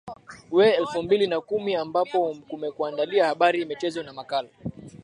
wa elfu mbili na kumi ambapo kumekuandalia habari michezo na makala